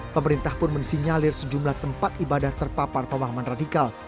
pemerintah pun mensinyalir sejumlah tempat ibadah terpapar pemahaman radikal